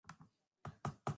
An hotel.